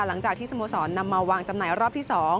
หลังจากที่สโมสรนำมาวางจำหน่ายรอบที่๒